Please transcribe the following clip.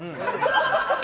ハハハハ！